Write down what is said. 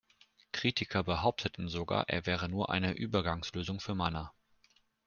Kritiker behaupteten sogar, er wäre nur eine Übergangslösung für Mana.